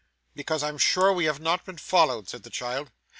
'Because I'm sure we have not been followed,' said the child.